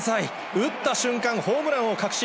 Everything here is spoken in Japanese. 打った瞬間、ホームランを確信。